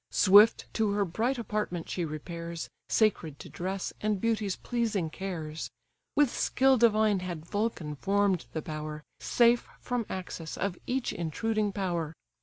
Swift to her bright apartment she repairs, Sacred to dress and beauty's pleasing cares: With skill divine had Vulcan form'd the bower, Safe from access of each intruding power.